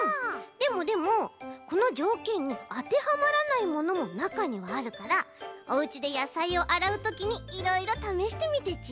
でもでもこのじょうけんにあてはまらないものもなかにはあるからおうちでやさいをあらうときにいろいろためしてみてち。